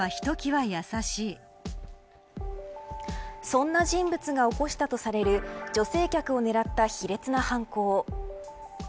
そんな人物が起こしたとされる女性客を狙った卑劣な犯行。